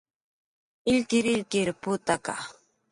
illkirilkir putaka